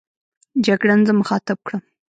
جګړن زه مخاطب کړم.